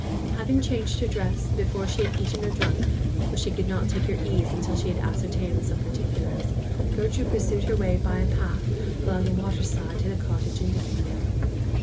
Having changed her dress, and before she had eaten or drunk—for she could not take her ease till she had ascertained some particulars—Gertrude pursued her way by a path along the water side to the cottage indicated.